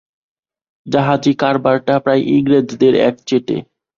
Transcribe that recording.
জাহাজী কারবারটা প্রায় ইংরেজের একচেটে।